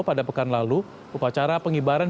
pada pekan lalu upacara pengibaran